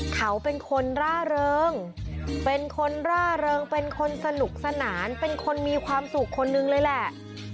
เขาเป็นคนร่าเริงเป็นคนร่าเริงเป็นคนสนุกสนานเป็นคนมีความสุขคนนึงเลยแหละ